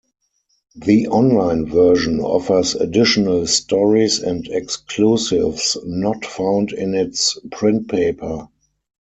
The online version offers additional stories and exclusives not found in its print paper.